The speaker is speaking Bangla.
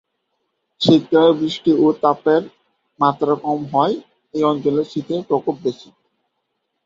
শীতকালে বৃষ্টি ও তাপের মাত্রা কম হওয়ার জন্য এই অঞ্চলে শীতের প্রকোপ বেশি।